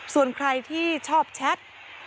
ส่วนใครที่ชอบแชท